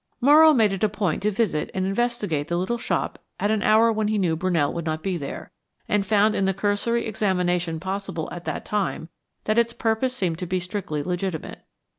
Morrow made it a point to visit and investigate the little shop at an hour when he knew Brunell would not be there, and found in the cursory examination possible at that time that its purpose seemed to be strictly legitimate.